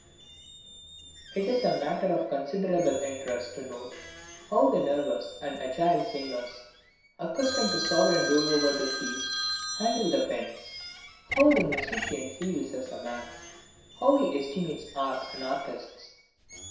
It is a matter of considerable interest to note how the nervous and agile fingers, accustomed to sovereign rule over the keys, handle the pen; how the musician feels as a man; how he estimates art and artists.